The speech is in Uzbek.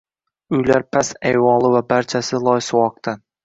Uylar past ayvonli va barchasi loysuvoqdan.